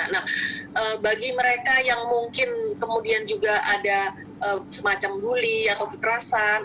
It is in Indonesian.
nah bagi mereka yang mungkin kemudian juga ada semacam bully atau kekerasan